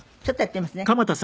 ちょっとやってみますね。